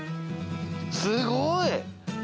すごい！